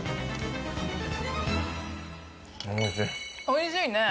おいしいね。